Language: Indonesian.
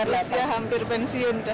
saya hampir pensiun